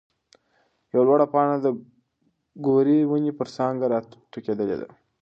يوه لوړه پاڼه د ګورې ونې پر څانګه راټوکېدلې ده.